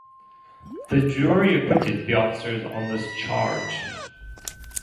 The jury acquitted the officers on this charge.